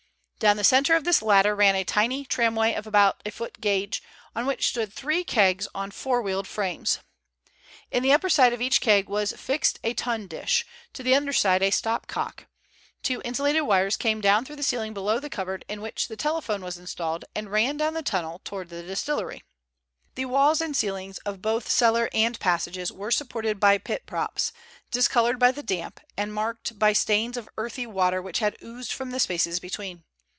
Down the center of this latter ran a tiny tramway of about a foot gauge, on which stood three kegs on four wheeled frames. In the upper side of each keg was fixed a tun dish, to the under side a stop cock. Two insulated wires came down through the ceiling below the cupboard in which the telephone was installed, and ran down the tunnel towards the distillery. The walls and ceiling of both cellar and passages were supported by pit props, discolored by the damp and marked by stains of earthy water which had oozed from the spaces between.